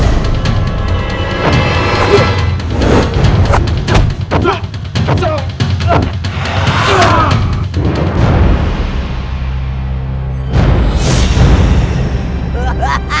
akhirnya kau muncul juga